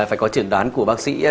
phải có trưởng đoán của bác sĩ